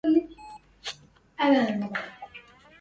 الدم سالَ من الجُرح.